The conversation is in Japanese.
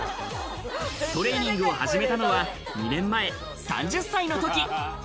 トレーニングを始めたのは２年前、３０歳のとき。